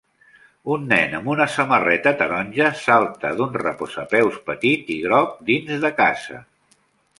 Un nen amb una samarreta taronja salta d'un reposapeus petit i groc dins de casa